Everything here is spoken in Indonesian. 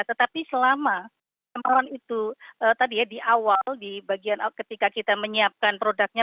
tetapi selama cemaran itu tadi ya di awal ketika kita menyiapkan produknya